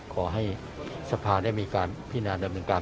ขอให้สภาได้มีการพินาดำเนินการ